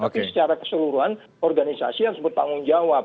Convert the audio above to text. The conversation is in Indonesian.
tapi secara keseluruhan organisasi harus bertanggung jawab